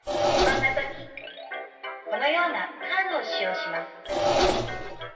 そんな時このようなカードを使用します。